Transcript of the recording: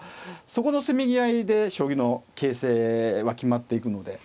そこのせめぎ合いで将棋の形勢は決まっていくので。